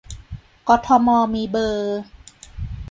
กทมมีเบอร์